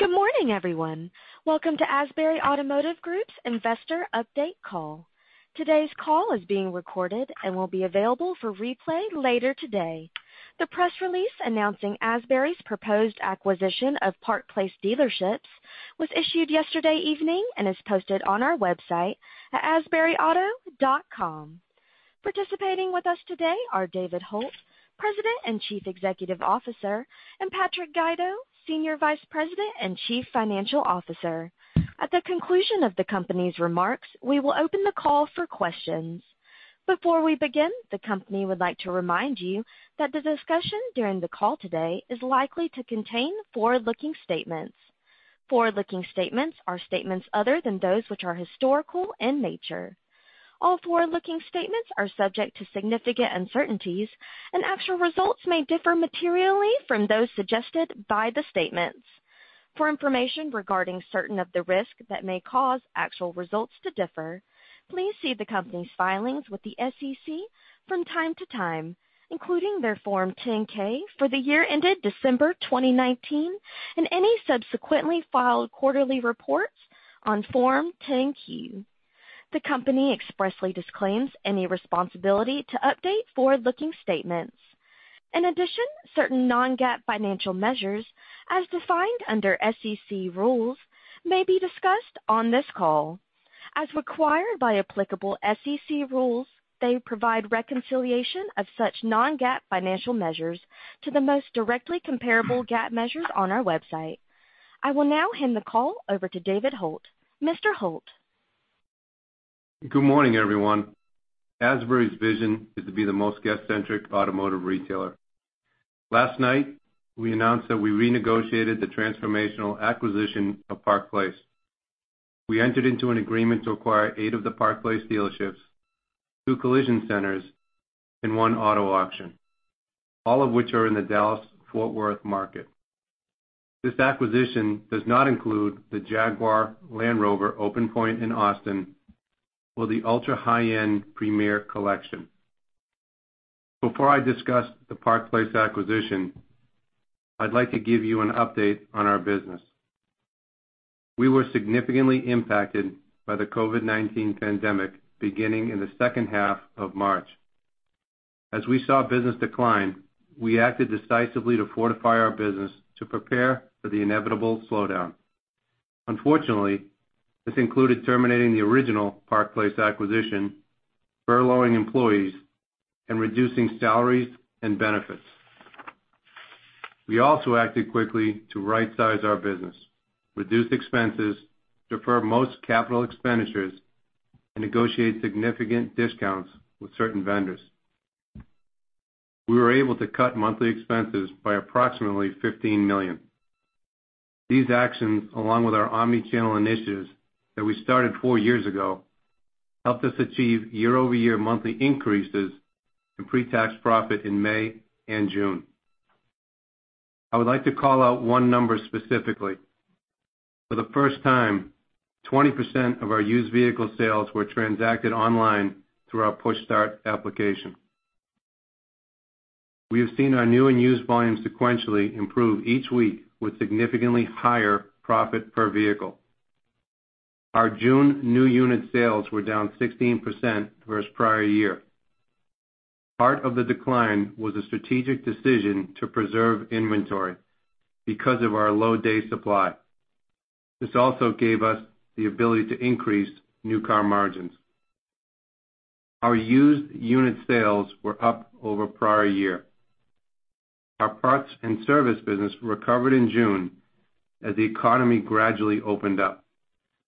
Good morning, everyone. Welcome to Asbury Automotive Group's Investor Update Call. Today's call is being recorded and will be available for replay later today. The press release announcing Asbury's proposed acquisition of Park Place Dealerships was issued yesterday evening and is posted on our website at asburyauto.com. Participating with us today are David Hult, President and Chief Executive Officer, and Patrick Guido, Senior Vice President and Chief Financial Officer. At the conclusion of the company's remarks, we will open the call for questions. Before we begin, the company would like to remind you that the discussion during the call today is likely to contain forward-looking statements. Forward-looking statements are statements other than those which are historical in nature. All forward-looking statements are subject to significant uncertainties and actual results may differ materially from those suggested by the statements. For information regarding certain of the risk that may cause actual results to differ, please see the company's filings with the SEC from time to time, including their Form 10-K for the year ended December 2019 and any subsequently filed quarterly reports on Form 10-Q. The company expressly disclaims any responsibility to update forward-looking statements. In addition, certain non-GAAP financial measures, as defined under SEC rules, may be discussed on this call. As required by applicable SEC rules, they provide reconciliation of such non-GAAP financial measures to the most directly comparable GAAP measures on our website. I will now hand the call over to David Hult. Mr. Hult. Good morning, everyone. Asbury's vision is to be the most guest-centric automotive retailer. Last night, we announced that we renegotiated the transformational acquisition of Park Place. We entered into an agreement to acquire eight of the Park Place dealerships, two collision centers, and one auto auction, all of which are in the Dallas-Fort Worth market. This acquisition does not include the Jaguar Land Rover open point in Austin or the ultra-high-end Premier Collection. Before I discuss the Park Place acquisition, I'd like to give you an update on our business. We were significantly impacted by the COVID-19 pandemic beginning in the second half of March. As we saw business decline, we acted decisively to fortify our business to prepare for the inevitable slowdown. Unfortunately, this included terminating the original Park Place acquisition, furloughing employees, and reducing salaries and benefits. We also acted quickly to rightsize our business, reduce expenses, defer most capital expenditures, and negotiate significant discounts with certain vendors. We were able to cut monthly expenses by approximately $15 million. These actions, along with our omni-channel initiatives that we started four years ago, helped us achieve year-over-year monthly increases in pre-tax profit in May and June. I would like to call out one number specifically. For the first time, 20% of our used vehicle sales were transacted online through our PushStart application. We have seen our new and used volumes sequentially improve each week with significantly higher profit per vehicle. Our June new unit sales were down 16% versus prior year. Part of the decline was a strategic decision to preserve inventory because of our low day supply. This also gave us the ability to increase new car margins. Our used unit sales were up over prior year. Our parts and service business recovered in June as the economy gradually opened up.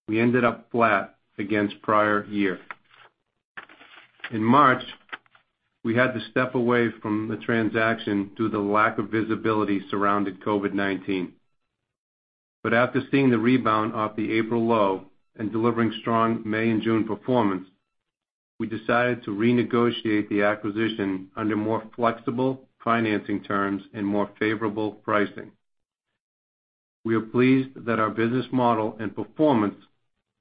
We ended up flat against prior year. In March, we had to step away from the transaction due to the lack of visibility surrounding COVID-19. After seeing the rebound off the April low and delivering strong May and June performance, we decided to renegotiate the acquisition under more flexible financing terms and more favorable pricing. We are pleased that our business model and performance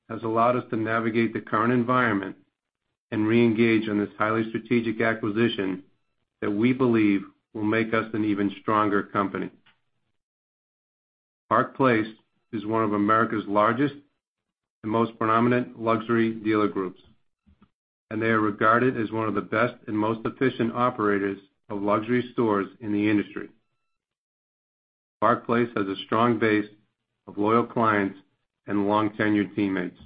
has allowed us to navigate the current environment and reengage in this highly strategic acquisition that we believe will make us an even stronger company. Park Place is one of America's largest and most prominent luxury dealer groups, and they are regarded as one of the best and most efficient operators of luxury stores in the industry. Park Place has a strong base of loyal clients and long-tenured teammates.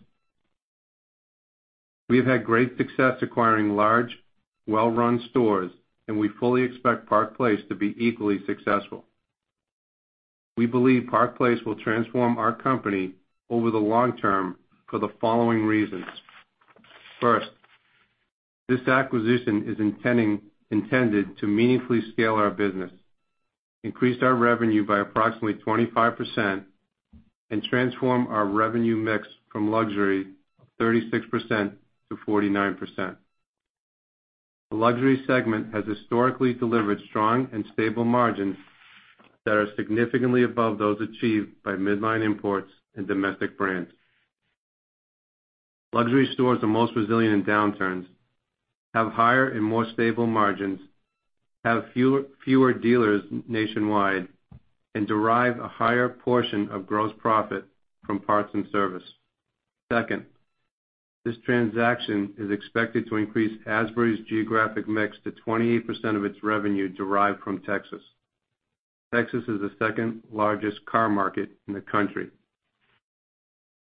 We have had great success acquiring large, well-run stores, and we fully expect Park Place to be equally successful. We believe Park Place will transform our company over the long term for the following reasons. First, this acquisition is intended to meaningfully scale our business, increase our revenue by approximately 25%, and transform our revenue mix from luxury 36% to 49%. The luxury segment has historically delivered strong and stable margins that are significantly above those achieved by midline imports and domestic brands. Luxury stores are most resilient in downturns, have higher and more stable margins, have fewer dealers nationwide, and derive a higher portion of gross profit from parts and service. Second, this transaction is expected to increase Asbury's geographic mix to 28% of its revenue derived from Texas. Texas is the second-largest car market in the country.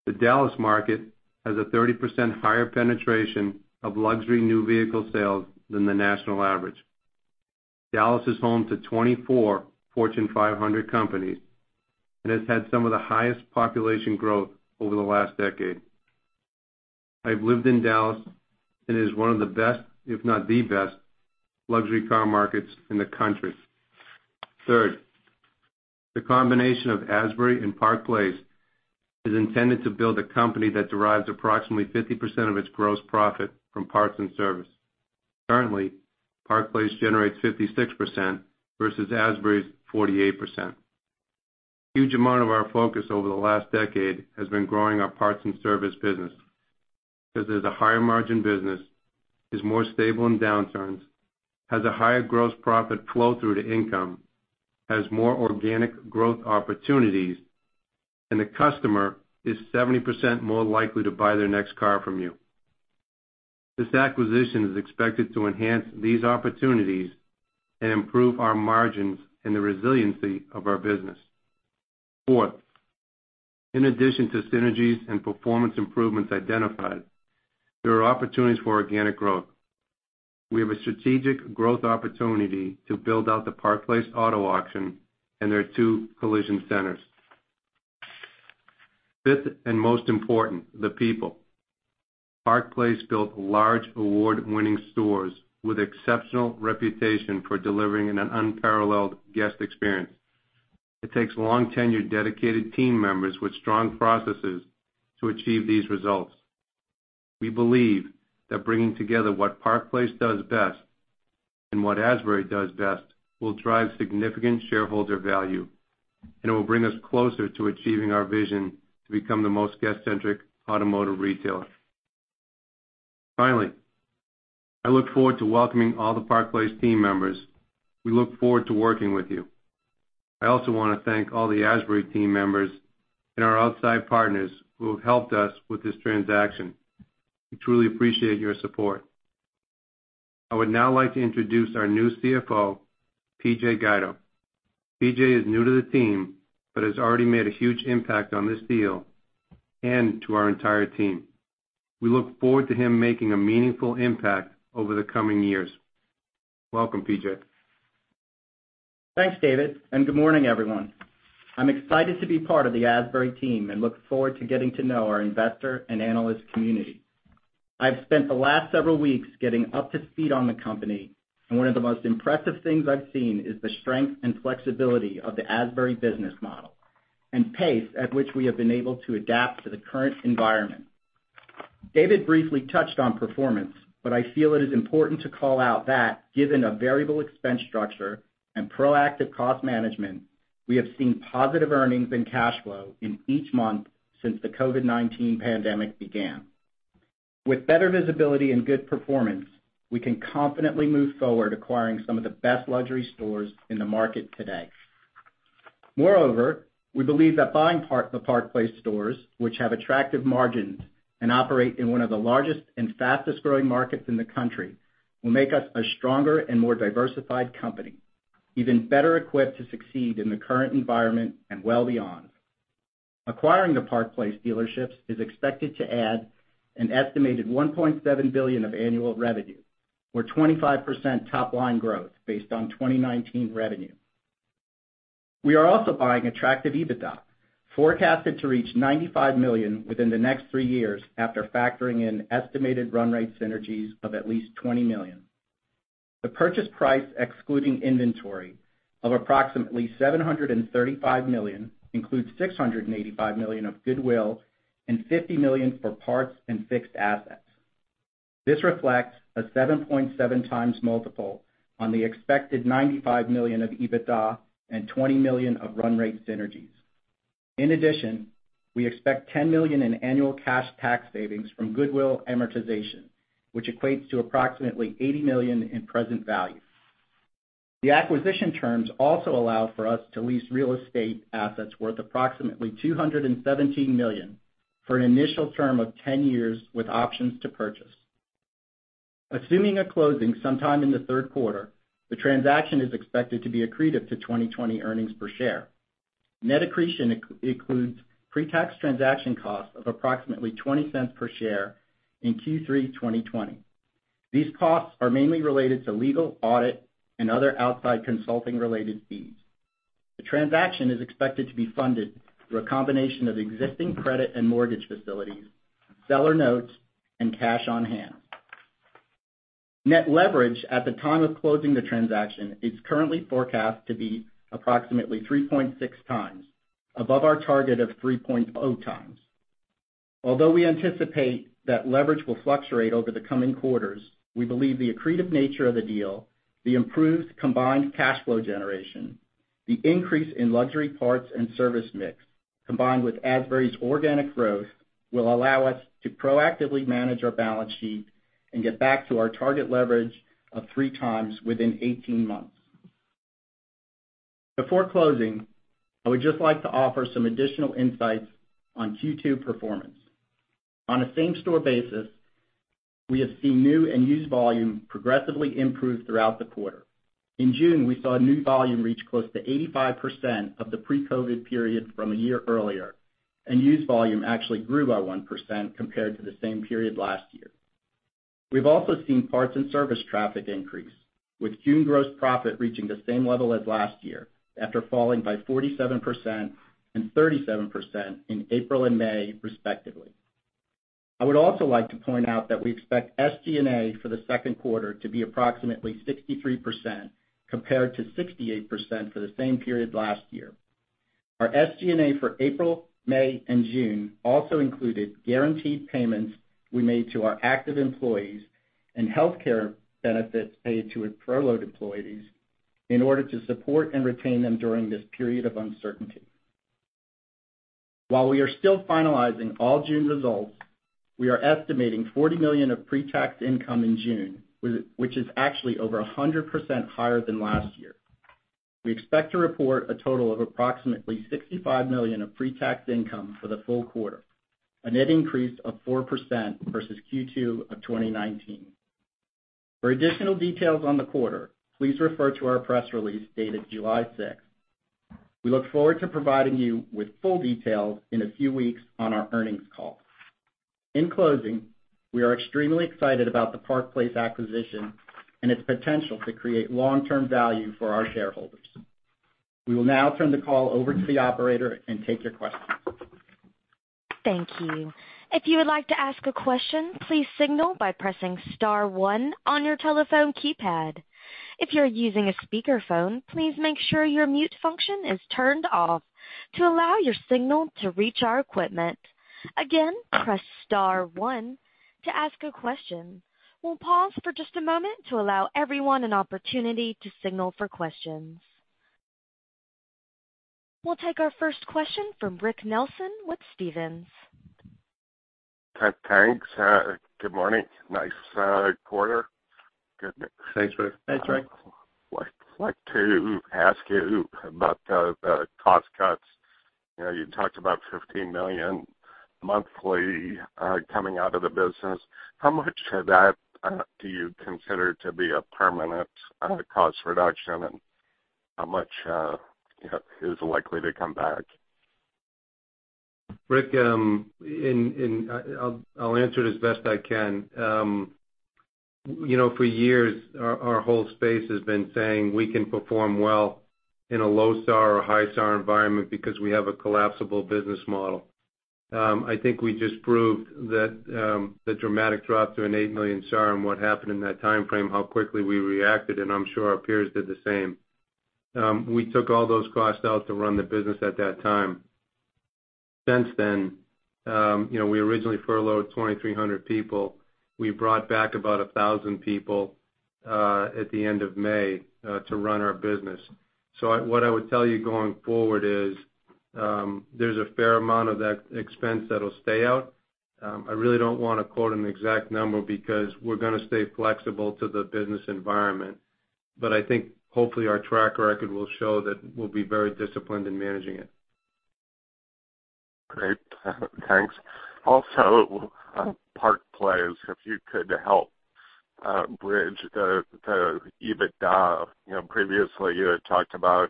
The Dallas market has a 30% higher penetration of luxury new vehicle sales than the national average. Dallas is home to 24 Fortune 500 companies and has had some of the highest population growth over the last decade. I've lived in Dallas, and it is one of the best, if not the best, luxury car markets in the country. Third, the combination of Asbury and Park Place is intended to build a company that derives approximately 50% of its gross profit from parts and service. Currently, Park Place generates 56% versus Asbury's 48%. Huge amount of our focus over the last decade has been growing our parts and service business because it's a higher margin business, is more stable in downturns, has a higher gross profit flow through to income, has more organic growth opportunities, and the customer is 70% more likely to buy their next car from you. This acquisition is expected to enhance these opportunities and improve our margins and the resiliency of our business. Fourth, in addition to synergies and performance improvements identified, there are opportunities for organic growth. We have a strategic growth opportunity to build out the Park Place Auto Auction and their two collision centers. Fifth, and most important, the people. Park Place built large award-winning stores with exceptional reputation for delivering an unparalleled guest experience. It takes long-tenured dedicated team members with strong processes to achieve these results. We believe that bringing together what Park Place does best and what Asbury does best will drive significant shareholder value and it will bring us closer to achieving our vision to become the most guest-centric automotive retailer. Finally, I look forward to welcoming all the Park Place team members. We look forward to working with you. I also wanna thank all the Asbury team members and our outside partners who have helped us with this transaction. We truly appreciate your support. I would now like to introduce our new CFO, PJ Guido. PJ is new to the team, but has already made a huge impact on this deal and to our entire team. We look forward to him making a meaningful impact over the coming years. Welcome, PJ. Thanks, David, good morning, everyone. I'm excited to be part of the Asbury team and look forward to getting to know our investor and analyst community. I've spent the last several weeks getting up to speed on the company, and one of the most impressive things I've seen is the strength and flexibility of the Asbury business model and pace at which we have been able to adapt to the current environment. David briefly touched on performance, but I feel it is important to call out that given a variable expense structure and proactive cost management, we have seen positive earnings and cash flow in each month since the COVID-19 pandemic began. With better visibility and good performance, we can confidently move forward acquiring some of the best luxury stores in the market today. Moreover, we believe that buying the Park Place stores, which have attractive margins and operate in one of the largest and fastest-growing markets in the country, will make us a stronger and more diversified company, even better equipped to succeed in the current environment and well beyond. Acquiring the Park Place Dealerships is expected to add an estimated $1.7 billion of annual revenue, or 25% top line growth based on 2019 revenue. We are also buying attractive EBITDA, forecasted to reach $95 million within the next three years after factoring in estimated run rate synergies of at least $20 million. The purchase price excluding inventory of approximately $735 million includes $685 million of goodwill and $50 million for parts and fixed assets. This reflects a 7.7x multiple on the expected $95 million of EBITDA and $20 million of run rate synergies. In addition, we expect $10 million in annual cash tax savings from goodwill amortization, which equates to approximately $80 million in present value. The acquisition terms also allow for us to lease real estate assets worth approximately $217 million for an initial term of 10 years with options to purchase. Assuming a closing sometime in the third quarter, the transaction is expected to be accretive to 2020 earnings per share. Net accretion includes pre-tax transaction costs of approximately $0.20 per share in Q3 2020. These costs are mainly related to legal, audit, and other outside consulting related fees. The transaction is expected to be funded through a combination of existing credit and mortgage facilities, seller notes, and cash on hand. Net leverage at the time of closing the transaction is currently forecast to be approximately 3.6x above our target of 3.0x. Although we anticipate that leverage will fluctuate over the coming quarters, we believe the accretive nature of the deal, the improved combined cash flow generation, the increase in luxury parts and service mix, combined with Asbury's organic growth, will allow us to proactively manage our balance sheet and get back to our target leverage of 3x within 18 months. Before closing, I would just like to offer some additional insights on Q2 performance. On a same-store basis, we have seen new and used volume progressively improve throughout the quarter. In June, we saw new volume reach close to 85% of the pre-COVID period from a year earlier, and used volume actually grew by 1% compared to the same period last year. We've also seen parts and service traffic increase, with June gross profit reaching the same level as last year after falling by 47% and 37% in April and May, respectively. I would also like to point out that we expect SG&A for the Q2 to be approximately 63% compared to 68% for the same period last year. Our SG&A for April, May, and June also included guaranteed payments we made to our active employees and healthcare benefits paid to furloughed employees in order to support and retain them during this period of uncertainty. While we are still finalizing all June results, we are estimating $40 million of pre-tax income in June, which is actually over 100% higher than last year. We expect to report a total of approximately $65 million of pre-tax income for the full quarter, a net increase of 4% versus Q2 of 2019. For additional details on the quarter, please refer to our press release dated July 6. We look forward to providing you with full details in a few weeks on our earnings call. In closing, we are extremely excited about the Park Place acquisition and its potential to create long-term value for our shareholders. We will now turn the call over to the operator and take your questions. Thank you. If you would like to ask a question, please signal by pressing star one on your telephone keypad. If you're using a speakerphone, please make sure your mute function is turned off to allow your signal to reach our equipment. Again, press star one to ask a question. We'll pause for just a moment to allow everyone an opportunity to signal for questions. We'll take our first question from Rick Nelson with Stephens. Thanks. Good morning. Nice quarter. Thanks, Rick. I'd like to ask you about the cost cuts. You know, you talked about $15 million monthly, coming out of the business. How much of that, do you consider to be a permanent, cost reduction, and how much, is likely to come back? Rick, I'll answer it as best I can. You know, for years, our whole space has been saying we can perform well in a low SAAR or high SAAR environment because we have a collapsible business model. I think we just proved that, the dramatic drop to an 8 million SAAR and what happened in that timeframe, how quickly we reacted, and I'm sure our peers did the same. We took all those costs out to run the business at that time. Since then, you know, we originally furloughed 2,300 people. We brought back about 1,000 people at the end of May to run our business. What I would tell you going forward is, there's a fair amount of that expense that'll stay out. I really don't wanna quote an exact number because we're gonna stay flexible to the business environment. I think hopefully our track record will show that we'll be very disciplined in managing it. Great. Thanks. Also, on Park Place, if you could help bridge the EBITDA. You know, previously you had talked about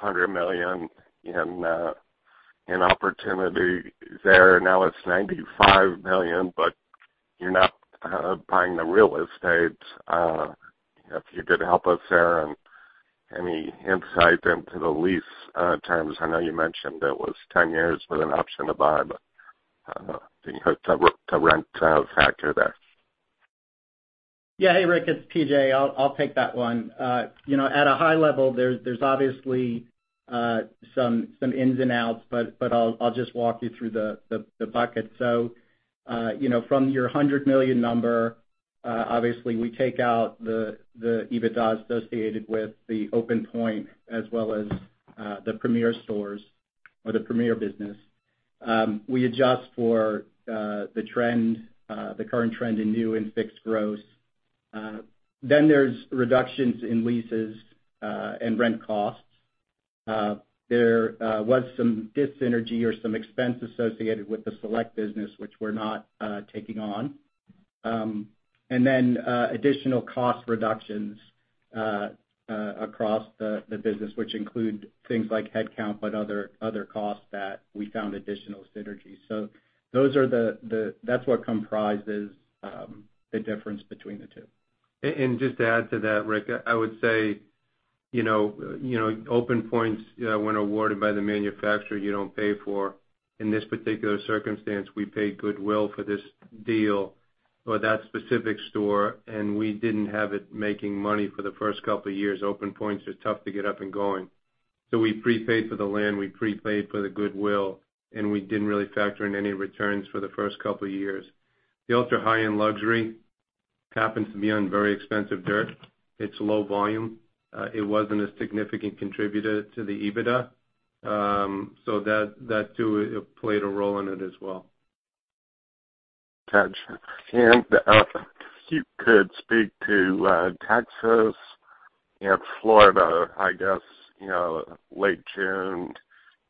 $100 million in opportunity there. Now it's $95 million, but you're not buying the real estate. If you could help us there and any insight into the lease terms. I know you mentioned it was 10 years with an option to buy, but the rent factor there. Yeah. Hey, Rick, it's PJ. I'll take that one. You know, at a high level there's obviously some ins and outs, but I'll just walk you through the buckets. You know, from your $100 million number, obviously we take out the EBITDA associated with the open point as well as the premier stores or the premier business. We adjust for the trend, the current trend in new and fixed growth. There's reductions in leases and rent costs. There was some dis-synergy or some expense associated with the select business, which we're not taking on. Additional cost reductions across the business, which include things like headcount, but other costs that we found additional synergies. Those are the -- that's what comprises the difference between the two. Just to add to that, Rick, I would say, you know, open points, when awarded by the manufacturer, you don't pay for. In this particular circumstance, we paid goodwill for this deal for that specific store, and we didn't have it making money for the first couple of years. Open points are tough to get up and going. We prepaid for the land, we prepaid for the goodwill, and we didn't really factor in any returns for the first couple of years. The ultra-high-end luxury Happens to be on very expensive dirt. It's low volume. It wasn't a significant contributor to the EBITDA. That, that too, it played a role in it as well. Gotcha. If you could speak to, Texas and Florida, I guess, you know, late June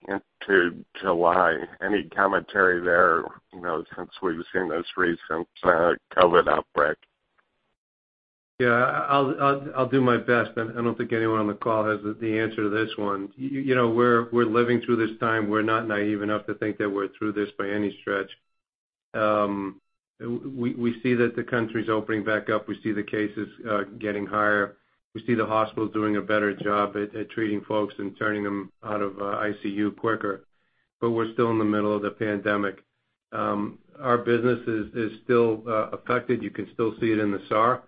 into July. Any commentary there, you know, since we've seen this recent, COVID outbreak? Yeah. I'll do my best. I don't think anyone on the call has the answer to this one. You know, we're living through this time. We're not naive enough to think that we're through this by any stretch. We see that the country's opening back up. We see the cases getting higher. We see the hospitals doing a better job at treating folks and turning them out of ICU quicker. We're still in the middle of the pandemic. Our business is still affected. You can still see it in the SAAR.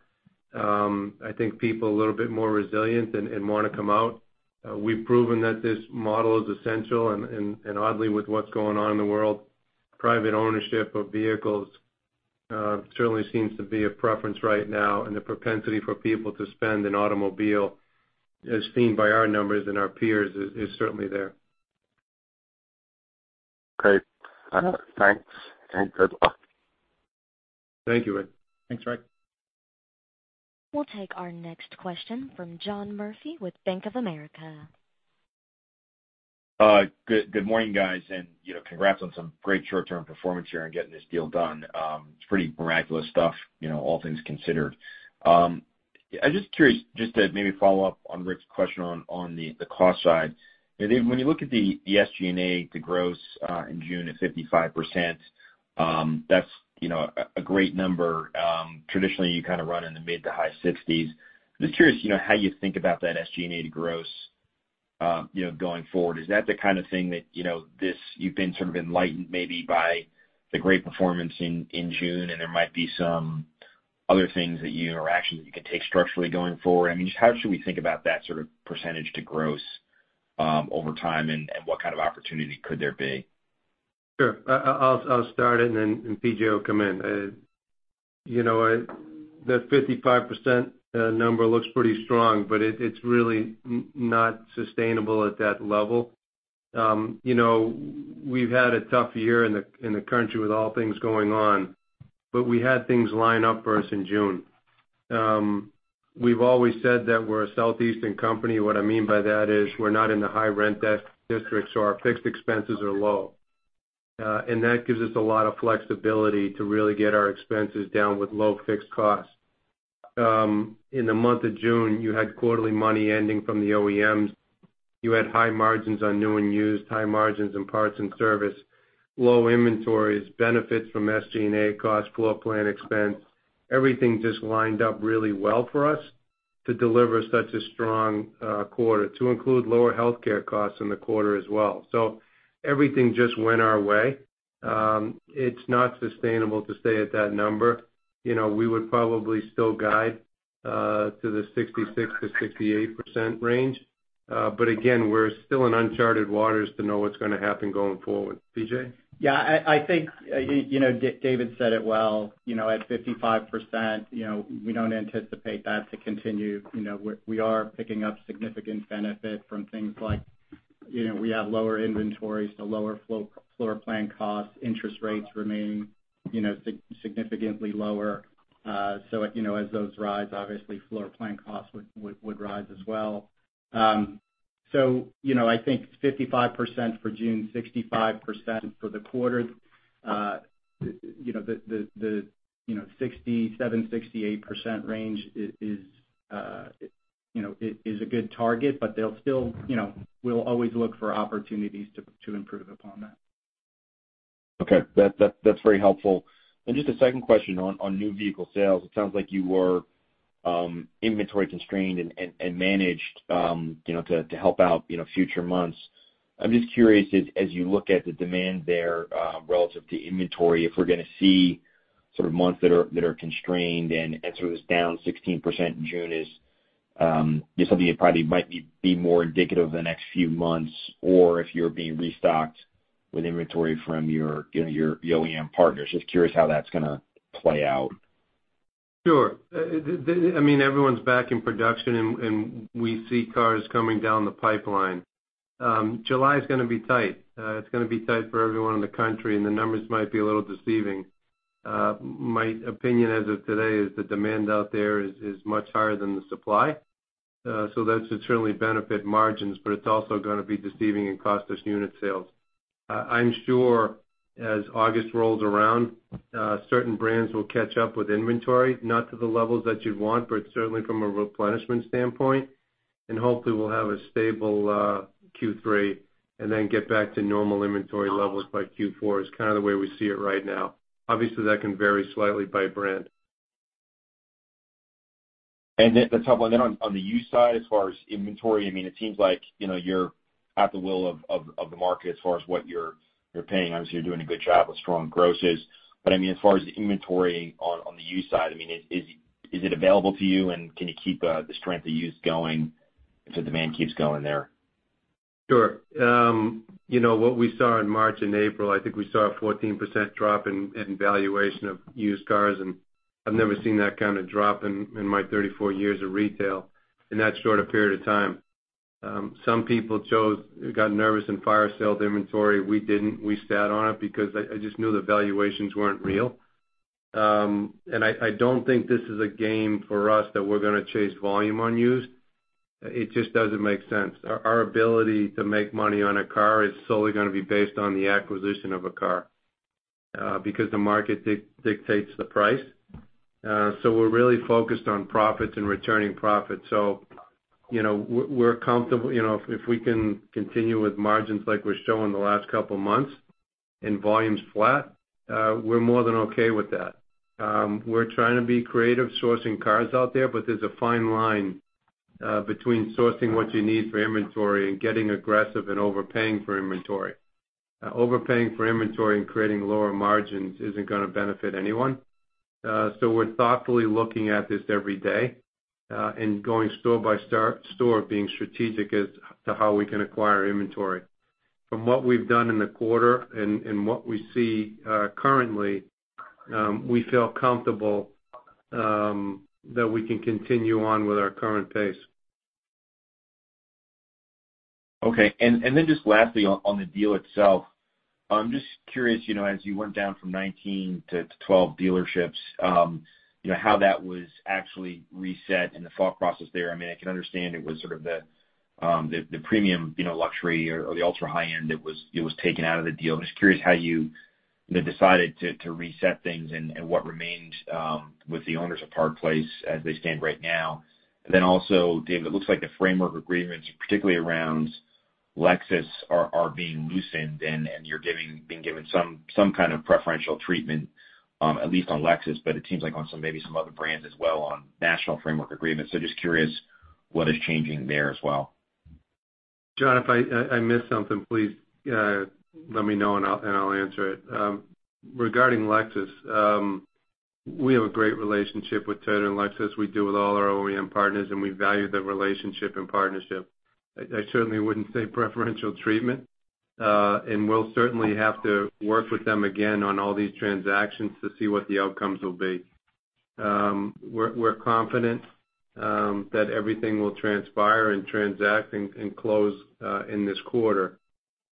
I think people are a little bit more resilient and wanna come out. We've proven that this model is essential and oddly, with what's going on in the world, private ownership of vehicles, certainly seems to be a preference right now. The propensity for people to spend an automobile, as seen by our numbers and our peers, is certainly there. Okay. Thanks and good luck. Thank you, Rick. Thanks, Rick. We'll take our next question from John Murphy with Bank of America. Good, good morning, guys. You know, congrats on some great short-term performance here in getting this deal done. It's pretty miraculous stuff, you know, all things considered. I'm just curious, just to maybe follow up on Rick's question on the cost side. You know, when you look at the SG&A, the gross, in June at 55%, that's, you know, a great number. Traditionally, you kinda run in the mid to high 60s. Just curious, you know, how you think about that SG&A gross, you know, going forward. Is that the kind of thing that, you know, you've been sort of enlightened maybe by the great performance in June, there might be some other things that you or actions that you can take structurally going forward? I mean, just how should we think about that sort of percentage to gross, over time, and what kind of opportunity could there be? Sure. I'll start it and then, and PJ will come in. You know, that 55% number looks pretty strong, but it's really not sustainable at that level. You know, we've had a tough year in the country with all things going on, but we had things line up for us in June. We've always said that we're a Southeastern company. What I mean by that is we're not in the high rent districts, so our fixed expenses are low. That gives us a lot of flexibility to really get our expenses down with low fixed costs. In the month of June, you had quarterly money ending from the OEMs. You had high margins on new and used, high margins in parts and service, low inventories, benefits from SG&A costs, floor plan expense. Everything just lined up really well for us to deliver such a strong quarter, to include lower healthcare costs in the quarter as well. Everything just went our way. It's not sustainable to stay at that number. You know, we would probably still guide to the 66%-68% range. Again, we're still in uncharted waters to know what's gonna happen going forward. PJ? Yeah, I think, you know, David said it well. You know, at 55%, you know, we don't anticipate that to continue. You know, we are picking up significant benefit from things like, you know, we have lower inventories to lower floor plan costs. Interest rates remain, you know, significantly lower. You know, as those rise, obviously floor plan costs would rise as well. You know, I think 55% for June, 65% for the quarter, you know, the 67%-68% range is, you know, it is a good target. They'll still, you know, we'll always look for opportunities to improve upon that. Okay. That's very helpful. Just a second question on new vehicle sales. It sounds like you were inventory constrained and managed, you know, to help out, you know, future months. I'm just curious as you look at the demand there, relative to inventory, if we're gonna see sort of months that are constrained and sort of this down 16% in June is, you know, something that probably might be more indicative of the next few months or if you're being restocked with inventory from your, you know, your OEM partners. Just curious how that's gonna play out. Sure. I mean, everyone's back in production and we see cars coming down the pipeline. July is gonna be tight. It's gonna be tight for everyone in the country, and the numbers might be a little deceiving. My opinion as of today is the demand out there is much higher than the supply. So that should certainly benefit margins, but it's also gonna be deceiving in cost us unit sales. I'm sure as August rolls around, certain brands will catch up with inventory, not to the levels that you'd want, but certainly from a replenishment standpoint. Hopefully we'll have a stable Q3 and then get back to normal inventory levels by Q4 is kinda the way we see it right now. Obviously, that can vary slightly by brand. That's helpful. On the used side, as far as inventory, I mean, it seems like, you know, you're at the will of the market as far as what you're paying. Obviously, you're doing a good job with strong grosses. I mean, as far as the inventory on the used side, I mean, is it available to you, and can you keep the strength of used going if the demand keeps going there? Sure. You know, what we saw in March and April, I think we saw a 14% drop in valuation of used cars. I've never seen that kind of drop in my 34 years of retail in that short a period of time. Some people got nervous and fire-sale inventory. We didn't. We sat on it because I just knew the valuations weren't real. I don't think this is a game for us that we're gonna chase volume on used. It just doesn't make sense. Our ability to make money on a car is solely gonna be based on the acquisition of a car, because the market dictates the price. We're really focused on profits and returning profits. You know, we're comfortable, you know, if we can continue with margins like we're showing the last couple months and volumes flat, we're more than okay with that. We're trying to be creative sourcing cars out there's a fine line between sourcing what you need for inventory and getting aggressive and overpaying for inventory. Overpaying for inventory and creating lower margins isn't gonna benefit anyone. We're thoughtfully looking at this every day, going store by store, being strategic as to how we can acquire inventory. From what we've done in the quarter and what we see currently, we feel comfortable that we can continue on with our current pace. Okay. Then just lastly on the deal itself, I'm just curious, you know, as you went down from 19 to 12 dealerships, you know, how that was actually reset and the thought process there. I mean, I can understand it was sort of the premium, you know, luxury or the ultra-high end that was taken out of the deal. I'm just curious how you know, decided to reset things and what remains with the owners of Park Place as they stand right now. Also, Dave, it looks like the framework agreements, particularly around Lexus are being loosened and you're being given some kind of preferential treatment, at least on Lexus, but it seems like on some, maybe some other brands as well on national framework agreements. Just curious what is changing there as well. John, if I missed something, please let me know, and I'll answer it. Regarding Lexus, we have a great relationship with Toyota and Lexus. We do with all our OEM partners, and we value the relationship and partnership. I certainly wouldn't say preferential treatment, and we'll certainly have to work with them again on all these transactions to see what the outcomes will be. We're confident that everything will transpire and transact and close in this quarter.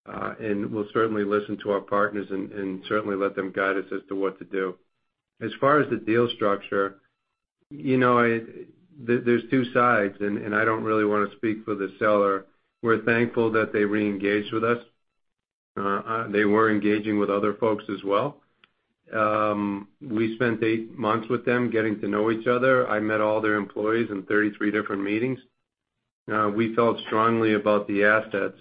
We'll certainly listen to our partners and certainly let them guide us as to what to do. As far as the deal structure, you know, there's two sides, and I don't really wanna speak for the seller. We're thankful that they reengaged with us. They were engaging with other folks as well. We spent eight months with them getting to know each other. I met all their employees in 33 different meetings. We felt strongly about the assets,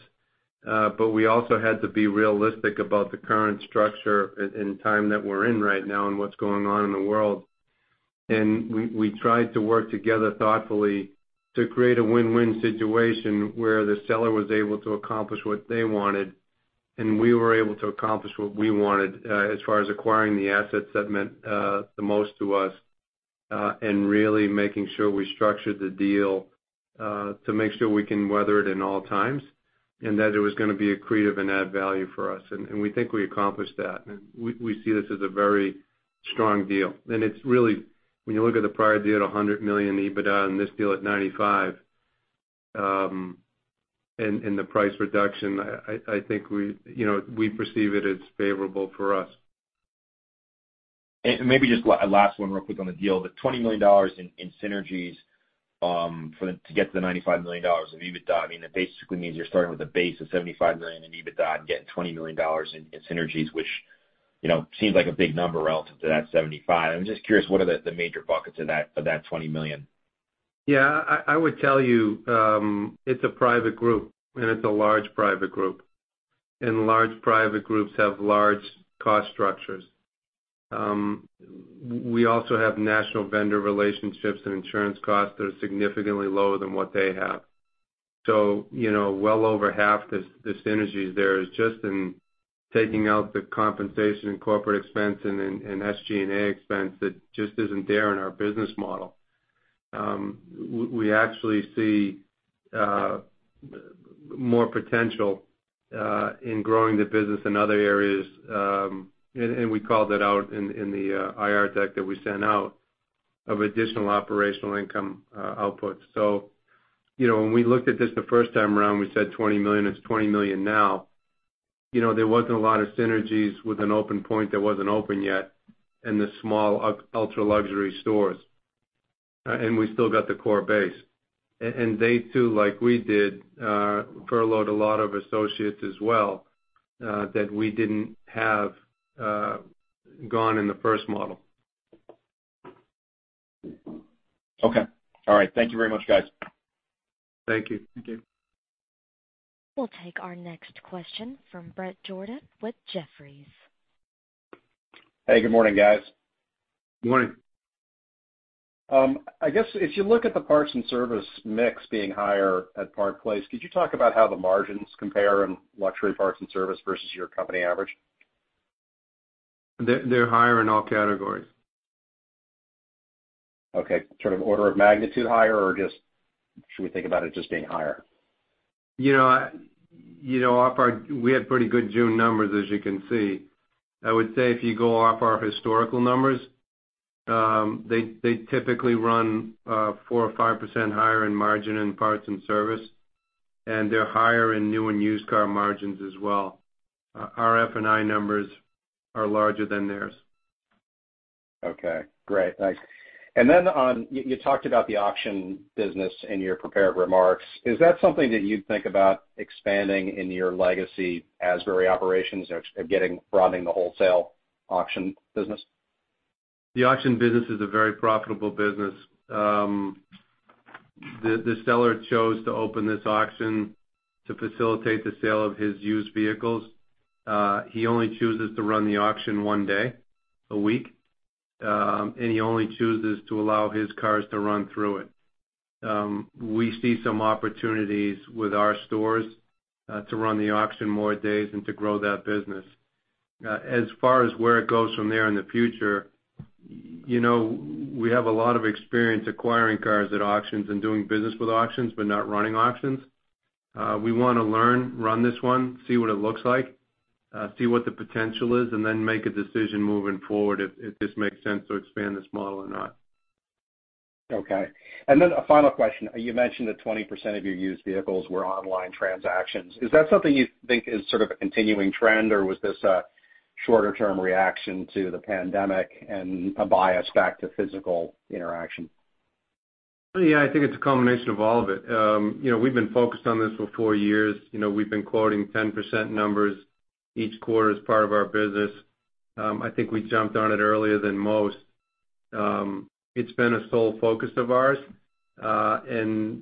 but we also had to be realistic about the current structure and time that we're in right now and what's going on in the world. We tried to work together thoughtfully to create a win-win situation where the seller was able to accomplish what they wanted, and we were able to accomplish what we wanted, as far as acquiring the assets that meant the most to us. Really making sure we structured the deal to make sure we can weather it in all times, and that it was gonna be accretive and add value for us. We think we accomplished that. We see this as a very strong deal. It's really, when you look at the prior deal at $100 million EBITDA and this deal at $95 million, and the price reduction, I think we, you know, we perceive it as favorable for us. Maybe just last one real quick on the deal. The $20 million in synergies, to get to the $95 million of EBITDA, I mean, that basically means you're starting with a base of $75 million in EBITDA and getting $20 million in synergies, which, you know, seems like a big number relative to that $75 million. I'm just curious, what are the major buckets of that $20 million? Yeah. I would tell you, it's a private group, it's a large private group, large private groups have large cost structures. We also have national vendor relationships and insurance costs that are significantly lower than what they have. You know, well over half the synergies there is just in taking out the compensation and corporate expense and SG&A expense that just isn't there in our business model. We actually see more potential in growing the business in other areas, we called it out in the IR deck that we sent out of additional operational income output. You know, when we looked at this the first time around, we said $20 million, it's $20 million now. You know, there wasn't a lot of synergies with an open point that wasn't open yet and the small ultra-luxury stores. We still got the core base. They too, like we did, furloughed a lot of associates as well, that we didn't have gone in the first model. Okay. All right. Thank you very much, guys. Thank you. We'll take our next question from Bret Jordan with Jefferies. Hey, good morning, guys. Morning. I guess if you look at the parts and service mix being higher at Park Place, could you talk about how the margins compare in luxury parts and service versus your company average? They're higher in all categories. Okay. Sort of order of magnitude higher, or just should we think about it just being higher? You know, you know, off our, we had pretty good June numbers, as you can see. I would say if you go off our historical numbers, they typically run 4% or 5% higher in margin in parts and service, and they're higher in new and used car margins as well. Our F&I numbers are larger than theirs. Okay, great. Thanks. You talked about the auction business in your prepared remarks. Is that something that you'd think about expanding in your legacy Asbury operations or running the wholesale auction business? The auction business is a very profitable business. The seller chose to open this auction to facilitate the sale of his used vehicles. He only chooses to run the auction one day a week, and he only chooses to allow his cars to run through it. We see some opportunities with our stores to run the auction more days and to grow that business. As far as where it goes from there in the future, you know, we have a lot of experience acquiring cars at auctions and doing business with auctions, but not running auctions. We wanna learn, run this one, see what it looks like, see what the potential is, and then make a decision moving forward if this makes sense to expand this model or not. Okay. A final question. You mentioned that 20% of your used vehicles were online transactions. Is that something you think is sort of a continuing trend, or was this a shorter-term reaction to the pandemic and a bias back to physical interaction? I think it's a combination of all of it. You know, we've been focused on this for four years. You know, we've been quoting 10% numbers each quarter as part of our business. I think we jumped on it earlier than most. It's been a sole focus of ours, and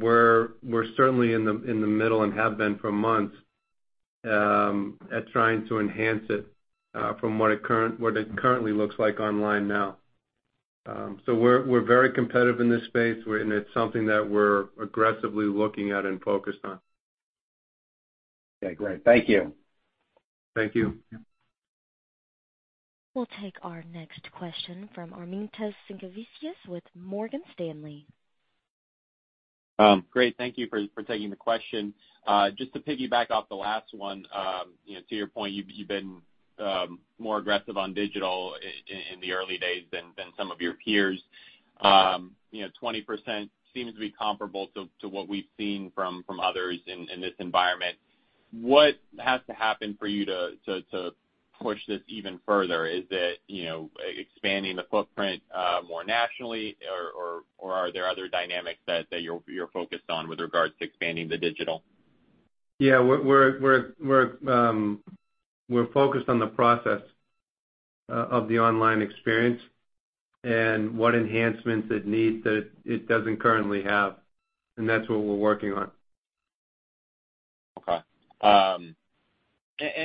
we're certainly in the middle and have been for months, at trying to enhance it from what it currently looks like online now. We're very competitive in this space, and it's something that we're aggressively looking at and focused on. Okay, great. Thank you. Thank you. We'll take our next question from Armintas Sinkevicius with Morgan Stanley. Great. Thank you for taking the question. Just to piggyback off the last one, you know, to your point, you've been more aggressive on digital in the early days than some of your peers. You know, 20% seems to be comparable to what we've seen from others in this environment. What has to happen for you to push this even further? Is it, you know, expanding the footprint more nationally or are there other dynamics that you're focused on with regards to expanding the digital? Yeah. We're focused on the process of the online experience and what enhancements it needs that it doesn't currently have, and that's what we're working on. Okay.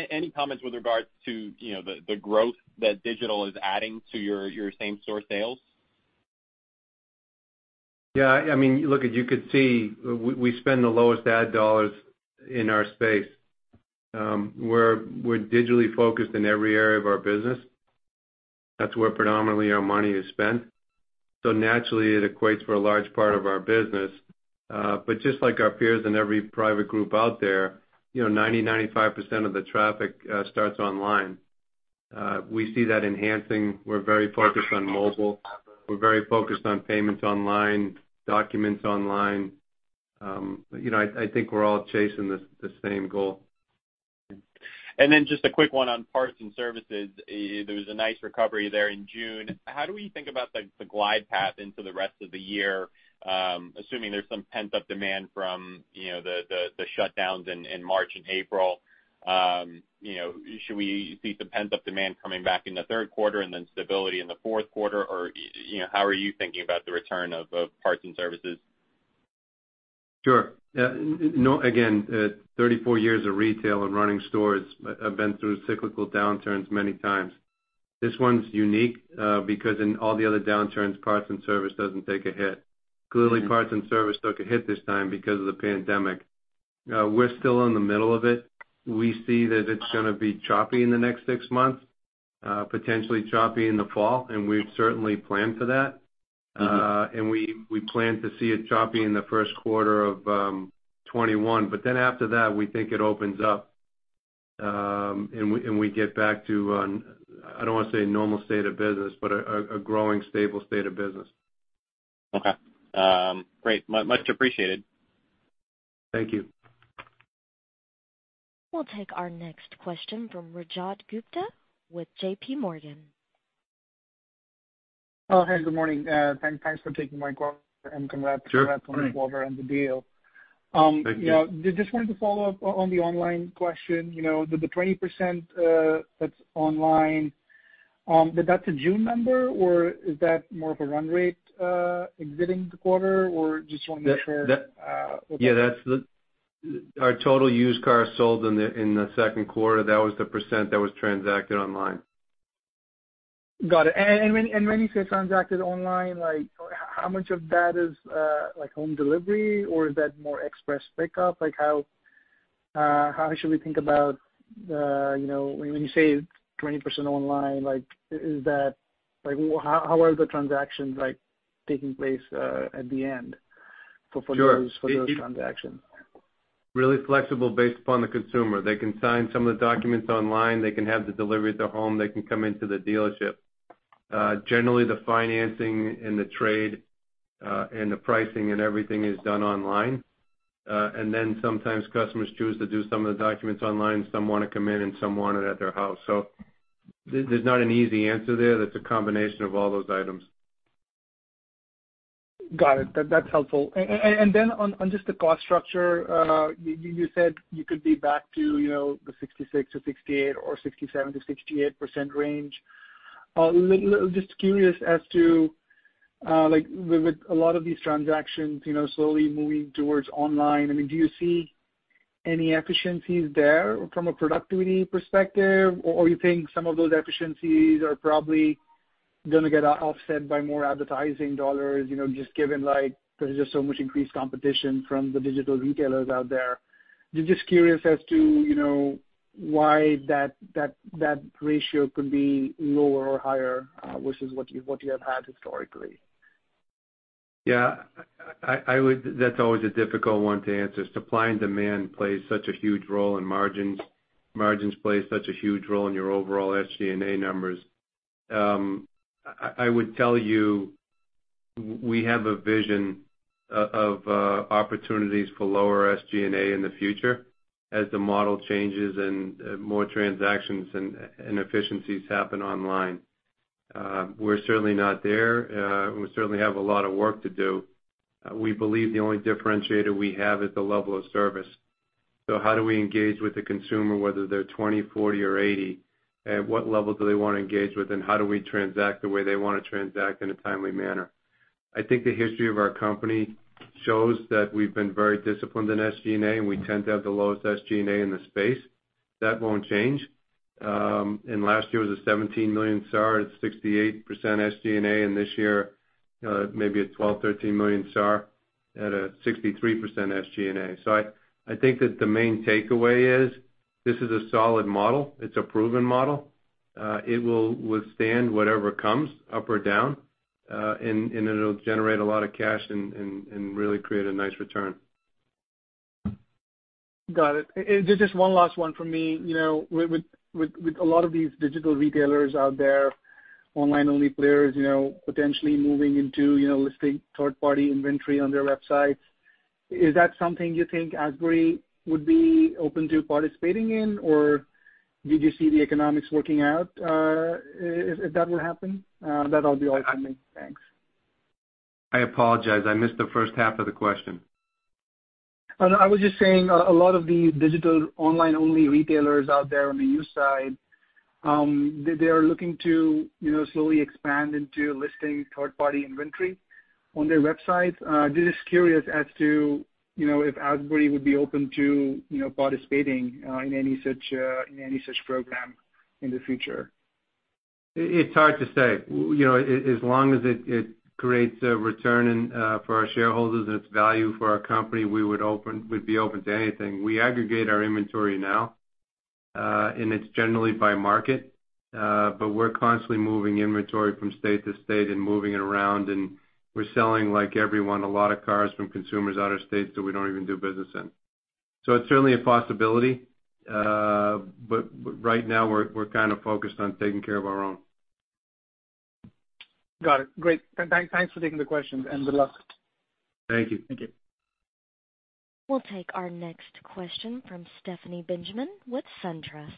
any comments with regards to, you know, the growth that digital is adding to your same store sales? I mean, look, you could see we spend the lowest ad dollars in our space. We're digitally focused in every area of our business. That's where predominantly our money is spent. Naturally, it equates for a large part of our business. Just like our peers in every private group out there, you know, 90%, 95% of the traffic starts online. We see that enhancing. We're very focused on mobile. We're very focused on payments online, documents online. You know, I think we're all chasing the same goal. Just a quick one on parts and services. There was a nice recovery there in June. How do we think about the glide path into the rest of the year, assuming there's some pent-up demand from, you know, the shutdowns in March and April? You know, should we see some pent-up demand coming back in the third quarter and then stability in the fourth quarter? You know, how are you thinking about the return of parts and services? Sure. You know, again, 34 years of retail and running stores, I've been through cyclical downturns many times. This one's unique, because in all the other downturns, parts and service doesn't take a hit. Clearly, parts and service took a hit this time because of the pandemic. We're still in the middle of it. We see that it's gonna be choppy in the next six months, potentially choppy in the fall, and we certainly plan for that. We, we plan to see it choppy in the first quarter of 2021. After that, we think it opens up, and we, and we get back to, I don't wanna say normal state of business, but a growing stable state of business. Okay. Great. Much appreciated. Thank you. We'll take our next question from Rajat Gupta with JPMorgan. Oh, hey, good morning. Thanks for taking my call and congrats- Sure. congrats on the quarter and the deal. Thank you. You know, just wanted to follow up on the online question. You know, the 20% that's online, but that's a June number, or is that more of a run rate exiting the quarter, or just wanna make sure? Yeah, Our total used cars sold in the second quarter, that was the percent that was transacted online. Got it. When you say transacted online, like how much of that is like home delivery, or is that more express pickup? How should we think about the, you know, when you say 20% online, is that like how are the transactions like taking place at the end for those? Sure. -for those transactions? Really flexible based upon the consumer. They can sign some of the documents online, they can have the delivery at their home, they can come into the dealership. Generally the financing and the trade, and the pricing and everything is done online. Sometimes customers choose to do some of the documents online, some wanna come in and some want it at their house. There's not an easy answer there. That's a combination of all those items. Got it. That's helpful. Then on just the cost structure, you said you could be back to, you know, the 66%-68% or 67%-68% range. Just curious as to, like with a lot of these transactions, you know, slowly moving towards online, I mean, do you see any efficiencies there from a productivity perspective? Or you think some of those efficiencies are probably gonna get offset by more advertising dollars, you know, just given like there's just so much increased competition from the digital retailers out there. Just curious as to, you know, why that ratio could be lower or higher, versus what you have had historically. Yeah. I would. That's always a difficult one to answer. Supply and demand plays such a huge role in margins. Margins play such a huge role in your overall SG&A numbers. I would tell you we have a vision of opportunities for lower SG&A in the future as the model changes and efficiencies happen online. We're certainly not there. We certainly have a lot of work to do. We believe the only differentiator we have is the level of service. How do we engage with the consumer, whether they're 20, 40 or 80? At what level do they wanna engage with, and how do we transact the way they wanna transact in a timely manner? I think the history of our company shows that we've been very disciplined in SG&A, and we tend to have the lowest SG&A in the space. That won't change. Last year was a 17 million SAAR at 68% SG&A, and this year, maybe a 12 million, 13 million SAAR at a 63% SG&A. I think that the main takeaway is this is a solid model. It's a proven model. It will withstand whatever comes up or down, and it'll generate a lot of cash and really create a nice return. Got it. Just one last one for me. You know, with a lot of these digital retailers out there, online-only players, you know, potentially moving into, you know, listing third party inventory on their websites, is that something you think Asbury would be open to participating in? Did you see the economics working out if that would happen? That all be all for me. Thanks. I apologize. I missed the first half of the question. No. I was just saying a lot of these digital online-only retailers out there on the used side, they are looking to, you know, slowly expand into listing third party inventory on their websites. Just curious as to, you know, if Asbury would be open to, you know, participating in any such program in the future. It's hard to say. You know, as long as it creates a return and for our shareholders and its value for our company, we'd be open to anything. We aggregate our inventory now, and it's generally by market, but we're constantly moving inventory from state to state and moving it around, and we're selling, like everyone, a lot of cars from consumers out of state, so we don't even do business in. It's certainly a possibility. Right now we're kind of focused on taking care of our own. Got it. Great. Thanks for taking the questions and good luck. Thank you. Thank you. We'll take our next question from Stephanie Benjamin with SunTrust.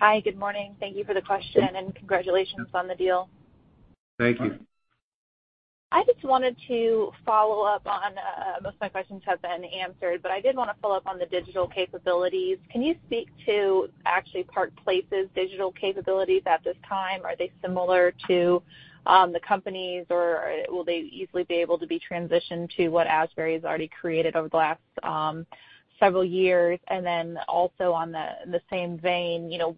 Hi, good morning. Thank you for the question and congratulations on the deal. Thank you. I just wanted to follow up on most of my questions have been answered, but I did want to follow up on the digital capabilities. Can you speak to actually Park Place's digital capabilities at this time? Are they similar to the companies or will they easily be able to be transitioned to what Asbury has already created over the last several years? Also on the same vein, you know,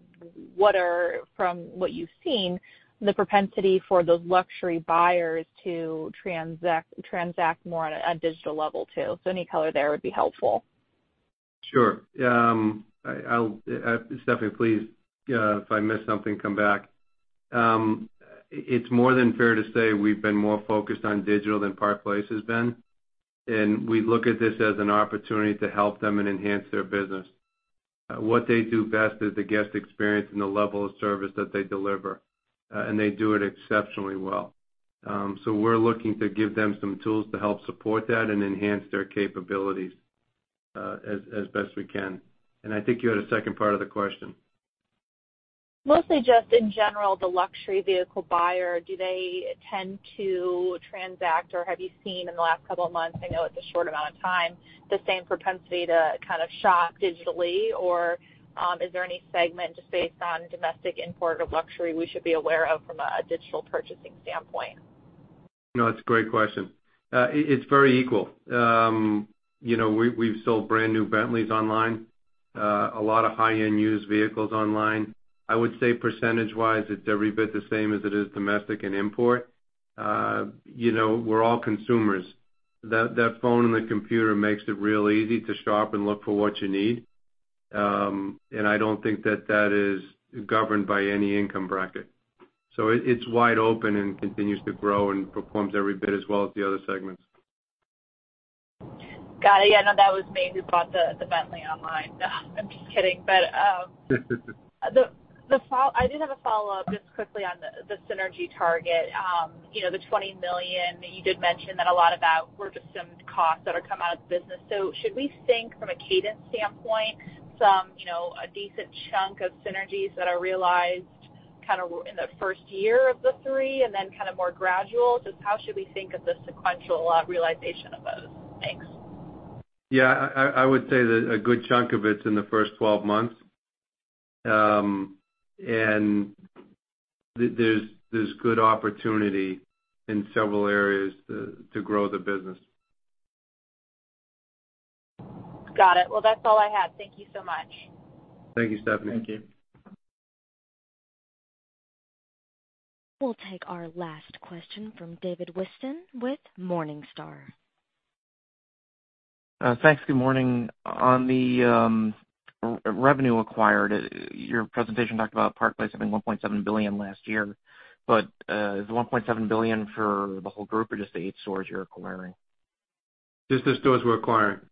what are, from what you've seen, the propensity for those luxury buyers to transact more on a digital level too? Any color there would be helpful. Sure. Stephanie, please, if I miss something, come back. It's more than fair to say we've been more focused on digital than Park Place has been, and we look at this as an opportunity to help them and enhance their business. What they do best is the guest experience and the level of service that they deliver, and they do it exceptionally well. We're looking to give them some tools to help support that and enhance their capabilities as best we can. I think you had a second part of the question. Mostly just in general, the luxury vehicle buyer, do they tend to transact, or have you seen in the last couple of months, I know it's a short amount of time, the same propensity to kind of shop digitally? Is there any segment just based on domestic import or luxury we should be aware of from a digital purchasing standpoint? No, it's a great question. It's very equal. You know, we've sold brand new Bentleys online, a lot of high-end used vehicles online. I would say percentage-wise it's every bit the same as it is domestic and import. You know, we're all consumers. That phone and the computer makes it real easy to shop and look for what you need. I don't think that that is governed by any income bracket. It's wide open and continues to grow and performs every bit as well as the other segments. Got it. Yeah, no, that was me who bought the Bentley online. No, I'm just kidding. I did have a follow-up just quickly on the synergy target. You know, the $20 million, you did mention that a lot of that were just some costs that'll come out of the business. Should we think from a cadence standpoint, some, you know, a decent chunk of synergies that are realized in the first year of the three and then kind of more gradual? Just how should we think of the sequential realization of those? Thanks. Yeah, I would say that a good chunk of it's in the first 12 months. There's good opportunity in several areas to grow the business. Got it. Well, that's all I had. Thank you so much. Thank you, Stephanie. Thank you. We'll take our last question from David Whiston with Morningstar. Thanks. Good morning. On the revenue acquired, your presentation talked about Park Place having $1.7 billion last year. Is the $1.7 billion for the whole group or just the eight stores you're acquiring? Just the stores we're acquiring. Okay.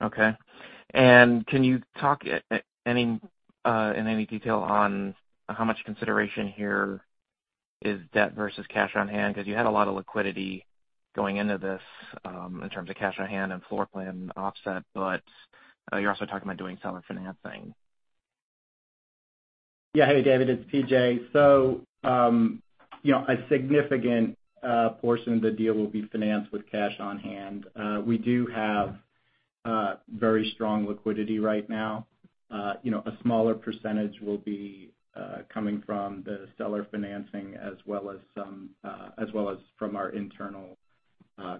Can you talk any in any detail on how much consideration here is debt versus cash on hand? You had a lot of liquidity going into this in terms of cash on hand and floor plan offset, but you're also talking about doing seller financing. Yeah. Hey, David, it's PJ. You know, a significant portion of the deal will be financed with cash on hand. We do have very strong liquidity right now. You know, a smaller percentage will be coming from the seller financing as well as some as well as from our internal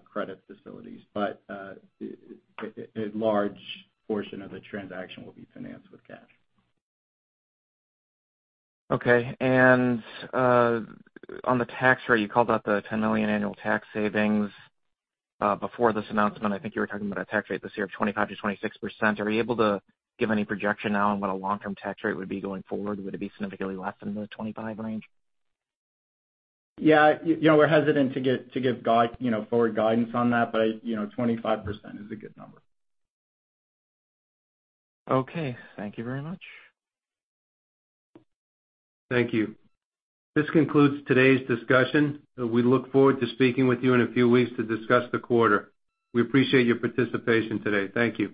credit facilities. A large portion of the transaction will be financed with cash. Okay. On the tax rate, you called out the $10 million annual tax savings. Before this announcement, I think you were talking about a tax rate this year of 25%-26%. Are you able to give any projection now on what a long-term tax rate would be going forward? Would it be significantly less than the 25% range? Yeah. you know, we're hesitant to give guide, you know, forward guidance on that, but, you know, 25% is a good number. Okay. Thank you very much. Thank you. This concludes today's discussion. We look forward to speaking with you in a few weeks to discuss the quarter. We appreciate your participation today. Thank you.